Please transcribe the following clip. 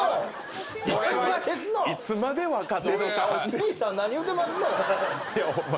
兄さん何言うてますの⁉ホンマ。